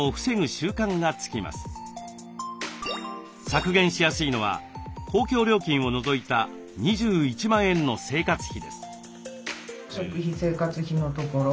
削減しやすいのは公共料金を除いた２１万円の生活費です。